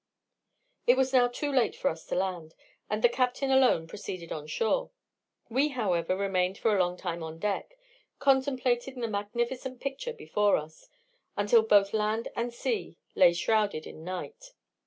It was now too late for us to land, and the captain alone proceeded on shore. We, however, remained for a long time on deck, contemplating the magnificent picture before us, until both land and sea lay shrouded in night.